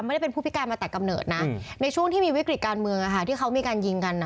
ไม่ได้เป็นผู้พิการมาแต่กำเนิดนะในช่วงที่มีวิกฤติการเมืองที่เขามีการยิงกัน